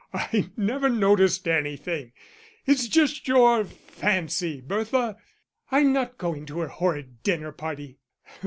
"I never noticed anything. It's just your fancy, Bertha." "I'm not going to her horrid dinner party."